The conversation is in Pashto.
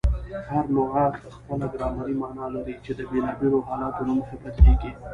هر لغت خپله ګرامري مانا لري، چي د بېلابېلو حالتو له مخي بدلیږي.